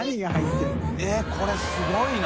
えっこれすごいな。